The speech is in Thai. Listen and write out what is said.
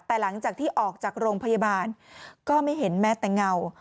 แต่หลังจากที่ออกจากโรงพยาบาลก็ไม่เห็นแม้แต่เงา